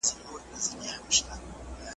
نن بوډا سبا زلمی سم نن خزان سبا بهار یم .